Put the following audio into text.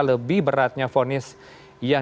lebih beratnya fonis yang